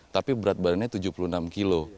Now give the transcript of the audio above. tapi berat badannya tujuh puluh enam kilo